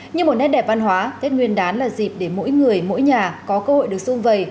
như một nét đẹp văn hóa tết nguyên đán là dịp để mỗi người mỗi nhà có cơ hội được xuân vầy